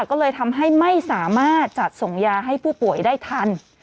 ก็เลยทำให้ไม่สามารถจัดส่งยาให้ผู้ป่วยได้ทัน